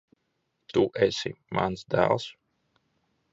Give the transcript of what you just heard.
Tu esi mans dēls?